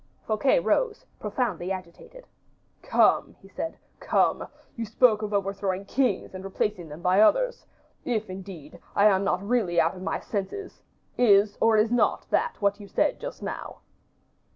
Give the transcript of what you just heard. Fouquet rose, profoundly agitated. "Come," he said, "come; you spoke of overthrowing kings and replacing them by others. If, indeed, I am not really out of my senses, is or is not that what you said just now?"